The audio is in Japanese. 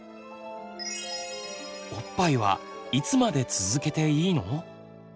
おっぱいはいつまで続けていいの？